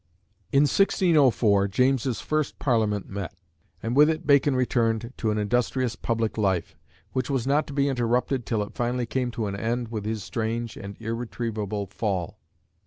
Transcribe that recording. In 1604 James's first Parliament met, and with it Bacon returned to an industrious public life, which was not to be interrupted till it finally came to an end with his strange and irretrievable fall.